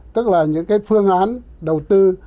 tức là những cái phương án đầu tư